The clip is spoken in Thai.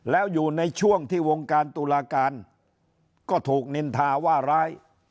แล้วอยู่ในช่วงที่วงการตุลาการก็ถูกนินทาว่าร้าย